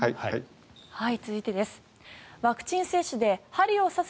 続いてです。